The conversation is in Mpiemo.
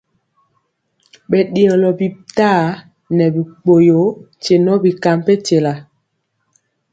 Ɓɛ ɗeyɔlɔ bitaa nɛ bikpoyo nkye nɔ bi ka mpenkyela.